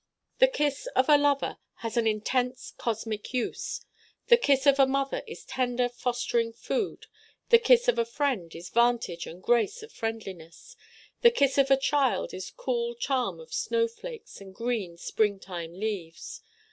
The kiss of a lover has an intense cosmic use: the kiss of a mother is tender fostering food: the kiss of a friend is vantage and grace of friendliness: the kiss of a child is cool charm of snowflakes and green springtime leaves.